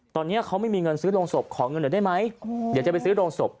ตอนนี้เขาไม่มีเงินซื้อโรงศพขอเงินหน่อยได้ไหมเดี๋ยวจะไปซื้อโรงศพ